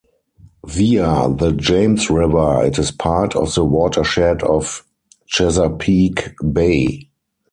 Via the James River, it is part of the watershed of Chesapeake Bay.